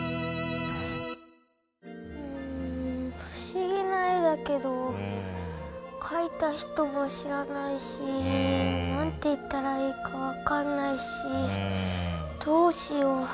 不思議な絵だけどかいた人も知らないし何て言ったらいいか分かんないしどうしよう。